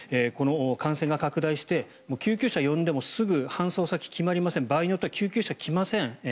この感染が拡大して救急車を呼んでもすぐに搬送先が決まりません場合によっては救急車が来ません